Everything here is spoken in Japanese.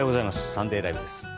「サンデーＬＩＶＥ！！」です。